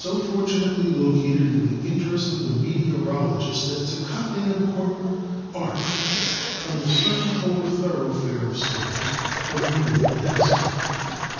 fortu nately located in the interest of the meteorologist as to cut an important arc from the circumpolar thoroughfare of storms of the northern hemisphere.